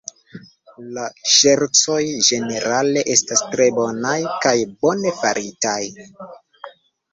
La ŝercoj ĝenerale estas tre bonaj, kaj bone faritaj.